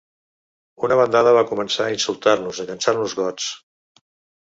Una bandada va començar a insultar-nos, a llançar-nos gots.